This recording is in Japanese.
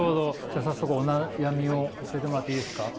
じゃあ早速お悩みを教えてもらっていいですか？